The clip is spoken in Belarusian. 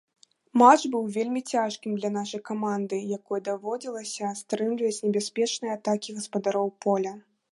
Матч быў вельмі цяжкім для нашай каманды, якой даводзілася стрымліваць небяспечныя атакі гаспадароў поля.